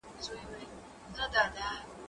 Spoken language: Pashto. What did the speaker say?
مېوې د زهشوم له خوا خورل کيږي،